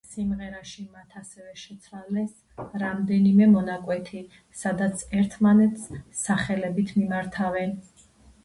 სიმღერაში მათ ასევე შეცვალეს რამდენიმე მონაკვეთი სადაც ერთმანეთს სახელებით მიმართავენ.